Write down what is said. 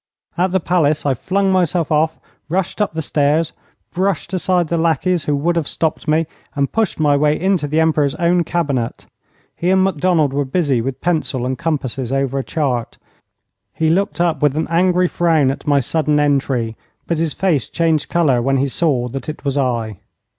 At the palace I flung myself off, rushed up the stairs, brushed aside the lackeys who would have stopped me, and pushed my way into the Emperor's own cabinet. He and Macdonald were busy with pencil and compasses over a chart. He looked up with an angry frown at my sudden entry, but his face changed colour when he saw that it was I.